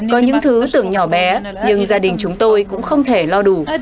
có những thứ tưởng nhỏ bé nhưng gia đình chúng tôi cũng không thể lo đủ